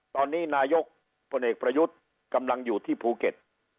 ตอนนี้นายกพลเอกประยุทธ์กำลังอยู่ที่ภูเก็ต